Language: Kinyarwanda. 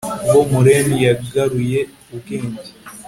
bo, maureen yagaruye ubwenge